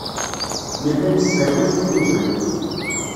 Nella nesserwat timẓin.